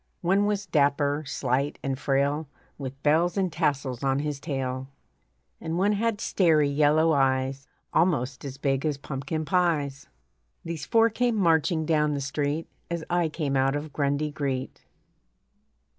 One was dapper, slight, and frail, With bells and tassels on his tail, And one had starey yellow eyes Almost as big as pumpkin pies. These four came marching down the street As I came out of Grundy Greet.